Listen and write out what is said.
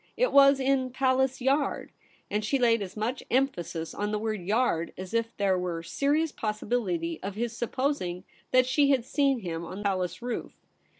It was in Palace Yard ;' and she laid as much emphasis on the word * Yard ' as if there were serious possibility of his supposing that she had seen him on Palace roof.